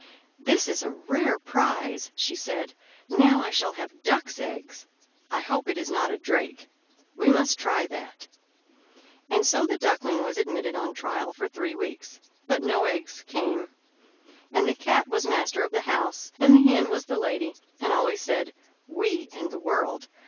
"This is a rare prize!" she said, "Now I shall have ducks' eggs. I hope it is not a drake. We must try that." And so the Duckling was admitted on trial for three weeks; but no eggs came. And the Cat was master of the house, and the Hen was the lady, and always said "We and the world!"